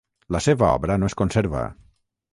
La seva obra no es conserva.